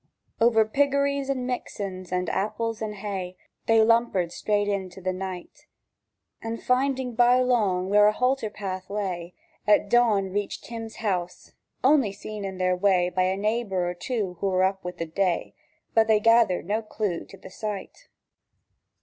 Over piggeries, and mixens, and apples, and hay, They lumpered straight into the night; And finding bylong where a halter path lay, At dawn reached Tim's house, on'y seen on their way By a naibour or two who were up wi' the day; But they gathered no clue to the sight.